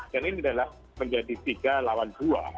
dan ini adalah menjadi tiga lawan dua